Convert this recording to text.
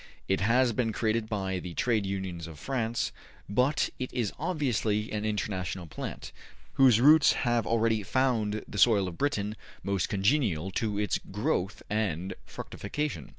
'' It has been created by the Trade Unions of France; but it is obviously an international plant, whose roots have already found the soil of Britain most congenial to its growth and fructification.